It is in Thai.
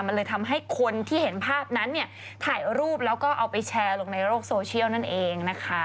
มันเลยทำให้คนที่เห็นภาพนั้นเนี่ยถ่ายรูปแล้วก็เอาไปแชร์ลงในโลกโซเชียลนั่นเองนะคะ